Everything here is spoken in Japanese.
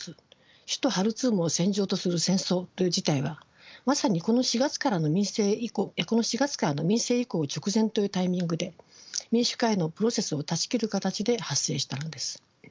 首都ハルツームを戦場とする戦争という事態はまさにこの４月からの民政移行直前というタイミングで民主化へのプロセスを断ち切る形で発生したのです。